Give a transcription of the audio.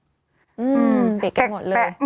อืมปิดกันหมดเลย